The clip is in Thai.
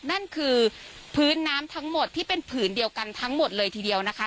นั่นคือพื้นน้ำทั้งหมดที่เป็นผืนเดียวกันทั้งหมดเลยทีเดียวนะคะ